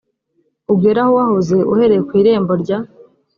ugere aho wahoze uhereye ku irembo rya